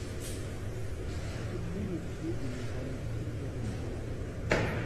Il se trouve au pied des montagnes Silvermine.